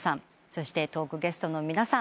そしてトークゲストの皆さん。